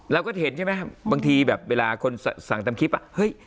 เราก็เห็นใช่ไหมครับบางทีแบบเวลาคนสั่งตามคลิปอ่ะเฮ้ย